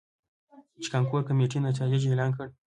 ،چې کانکور کميټې نتايج اعلان کړل.